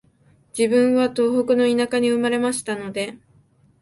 自分は東北の田舎に生まれましたので、